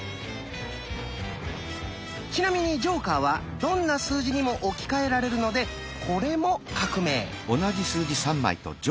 ちなみにジョーカーはどんな数字にも置き換えられるのでこれも「革命」。